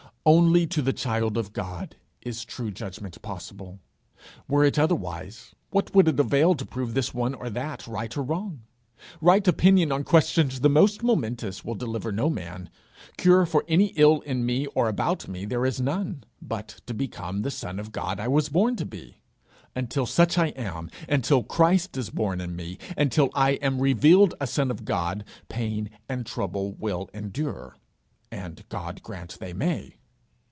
Only to the child of God is true judgment possible. Were it otherwise, what would it avail to prove this one or that right or wrong? Right opinion on questions the most momentous will deliver no man. Cure for any ill in me or about me there is none, but to become the son of God I was born to be. Until such I am, until Christ is born in me, until I am revealed a son of God, pain and trouble will endure and God grant they may!